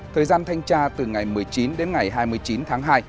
thời gian thanh tra từ ngày một mươi chín đến ngày hai mươi chín tháng hai